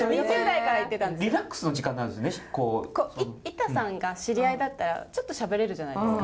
板さんが知り合いだったらちょっとしゃべれるじゃないですか。